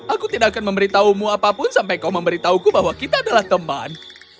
aku tidak akan memberitahumu apapun sampai kau memberitahuku bahwa kita adalah teman